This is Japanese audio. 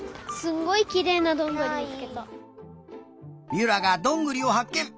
ゆらがどんぐりをはっけん！